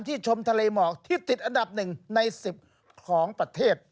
ที่ติดอันดับหนึ่งใน๑๐ของประเทศ